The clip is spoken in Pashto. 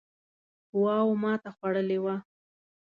قواوو ماته خوړلې وه.